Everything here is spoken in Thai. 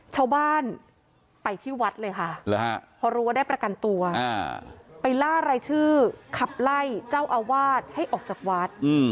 ชาวบ้านไปที่วัดเลยค่ะพอรู้ว่าได้ประกันตัวไปล่ารายชื่อขับไล่เจ้าอาวาสให้ออกจากวัด